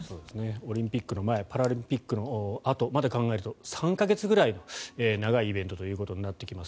オリンピックの前パラリンピックのあとまで考えると３か月ぐらいの長いイベントということになってきます。